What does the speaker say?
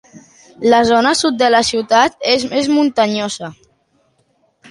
La zona sud de la ciutat és més muntanyosa.